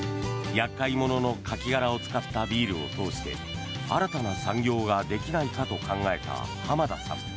厄介者のカキ殻を使ったビールを通して新たな産業ができないかと考えた濱田さん。